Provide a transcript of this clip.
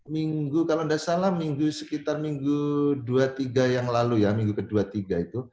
minggu kalau tidak salah sekitar minggu dua puluh tiga yang lalu ya minggu ke dua puluh tiga itu